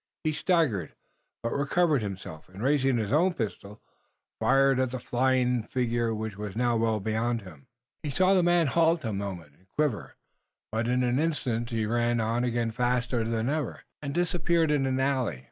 He staggered, but recovered himself, and raising his own pistol, fired at the flying figure which was now well beyond him. He saw the man halt a moment, and quiver, but in an instant he ran on again faster than ever, and disappeared in an alley.